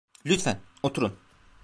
Lütfen, oturun.